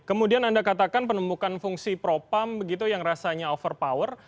kemudian anda katakan penemukan fungsi propam begitu yang rasanya overpower